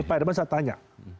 pak irman saya tanya